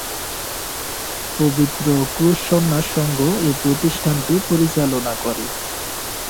পবিত্র ক্রুশ সন্ন্যাস সংঘ এই প্রতিষ্ঠানটি পরিচালনা করে।